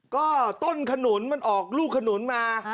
ก็ต้นขนุนมันออกลูกขนุนมา